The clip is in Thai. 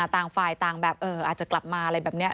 ต่างฝ่ายต่างแบบอาจจะกลับมาอะไรแบบนี้